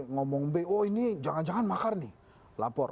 ngomong b oh ini jangan jangan makar nih lapor